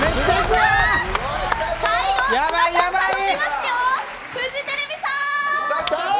最後、津田さん、頼みますよフジテレビさん。